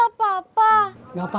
bisa aku yang boleh